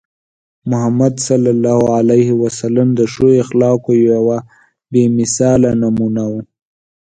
محمد صلى الله عليه وسلم د ښو اخلاقو یوه بې مثاله نمونه وو.